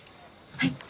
はい。